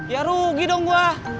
ya rugi dong gue